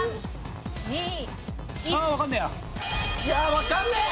いやわかんねえ！